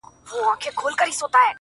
چی د ژوند مو هر گړی راته ناورین سی؛